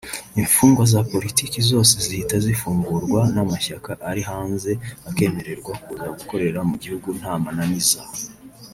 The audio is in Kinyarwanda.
imfungwa za politiki zose zahita zifungurwa n’amashyaka ari hanze akemererwa kuza gukorera mu gihugu nta mananiza